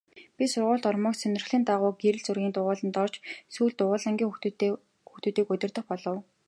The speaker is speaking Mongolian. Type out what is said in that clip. Би сургуульд ормогц сонирхлын дагуу гэрэл зургийн дугуйланд орж сүүлдээ дугуйлангийн хүүхдүүдийг удирдах болов.